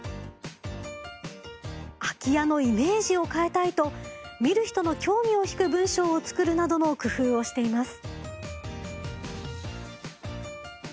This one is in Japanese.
空き家のイメージを変えたいと見る人の興味を引く文章を作るなどの工夫をしています。